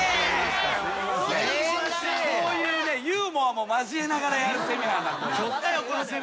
こういうユーモアも交えながらやるセミナーになっております。